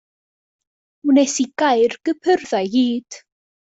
Wnes i gau'r cypyrdda i gyd.